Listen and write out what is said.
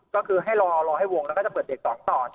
ก็คือให้รอรอให้วงแล้วก็จะเปิดเวรแรกเสร็จต่อ